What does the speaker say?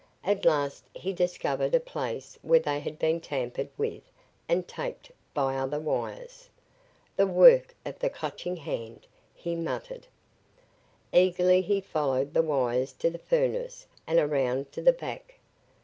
At last he discovered a place where they had been tampered with and tapped by other wires. "The work of the Clutching Hand!" he muttered. Eagerly he followed the wires to the furnace and around to the back.